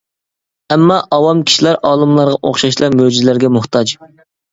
ئەمما ئاۋام كىشىلەر ئالىملارغا ئوخشاشلا مۆجىزىلەرگە موھتاج.